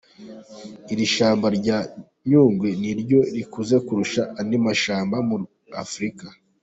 Iri shyamba rya Nyungwe ni ryo rikuze kurusha andi mashyamba muri Afurika.